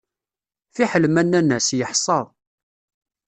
Fiḥel ma nnan-as, yeḥṣa.